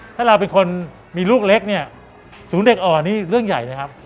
ถ้าเราเป็นคนมีลูกเล็กเนี่ยศูนย์เด็กอ่อนนี่เรื่องใหญ่เลยครับ